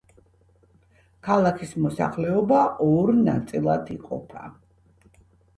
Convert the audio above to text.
ქალაქის მოსახლეობა ორ ნაწილად იყოფა.